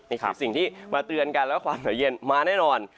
นี่คือสิ่งที่มาเตือนกันแล้วความเหนื่อยเย็นมาแน่นอน